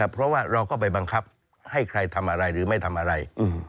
เพราะว่าเราก็ไปบังคับให้ใครทำอะไรหรือไม่ทำอะไร